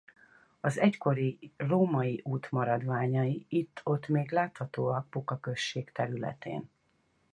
Az egykori római út maradványai itt-ott még láthatóak Puka község területén.